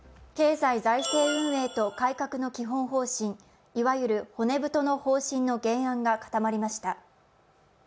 経済財政運営と改革の基本方針、いわゆる骨太の方針の原案が固まりました。